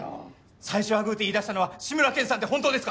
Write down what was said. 「最初はグー」って言い出したのは志村けんさんって本当ですか？